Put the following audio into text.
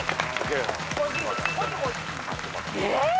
えっ？